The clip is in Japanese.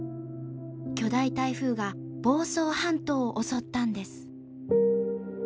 巨大台風が房総半島を襲ったんです。